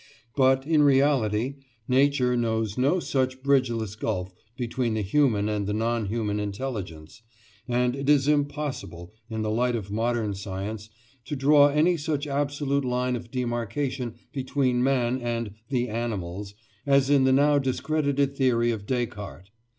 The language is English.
But, in reality, Nature knows no such bridgeless gulf between the human and the non human intelligence; and it is impossible, in the light of modern science, to draw any such absolute line of demarcation between man and "the animals" as in the now discredited theory of Descartes.